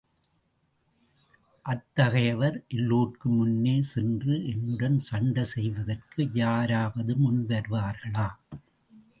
அத்தகையவர் எல்லோர்க்கும் முன்னே சென்று, என்னுடன் சண்டை செய்வதற்கு யாராவது முன் வருவார்களா?